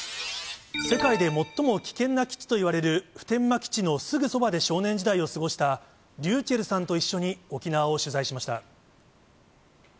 世界で最も危険な基地といわれる普天間基地のすぐそばで少年時代を過ごしたｒｙｕｃｈｅｌｌさんと一緒に沖縄を取材しました。